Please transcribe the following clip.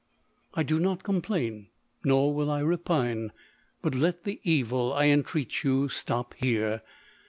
I do not complain, nor will I repine. But let the evil, I entreat you, stop here.